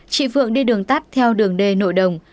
chị phượng đi đường tắt theo đường d nội đồng